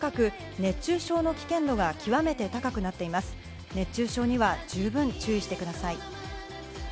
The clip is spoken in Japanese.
熱中症には十分注意してください。